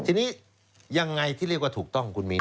ทีนี้ยังไงที่เรียกว่าถูกต้องคุณมีน